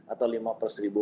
atau lima per seribu